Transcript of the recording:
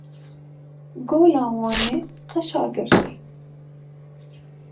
Gola Wanê qeşa girt.